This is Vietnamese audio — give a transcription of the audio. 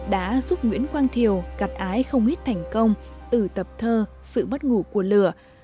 đã giúp nguyễn quang thiều gặt ái không ít thành công từ tập thơ sự mất ngủ của lửa